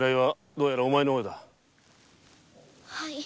はい。